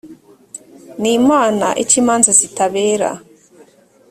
ni imana ica imanza zitabera